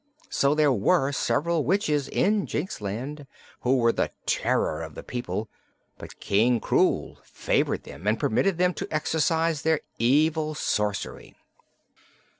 So there were several witches in Jinxland who were the terror of the people, but King Krewl favored them and permitted them to exercise their evil sorcery.